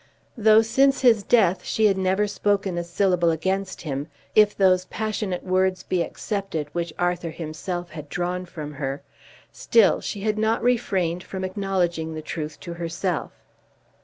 Though since his death she had never spoken a syllable against him, if those passionate words be excepted which Arthur himself had drawn from her, still she had not refrained from acknowledging the truth to herself.